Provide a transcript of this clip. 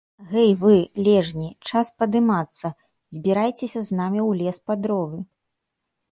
- Гэй вы, лежні, час падымацца, збірайцеся з намі ў лес па дровы!